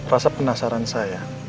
rasa penasaran saya